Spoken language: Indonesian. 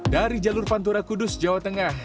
dari jalur pantura kudus jawa tengah